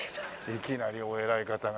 いきなりお偉い方が。